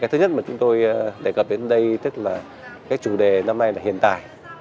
cái thứ nhất mà chúng tôi đề cập đến đây tức là cái chủ đề năm nay là hiền tài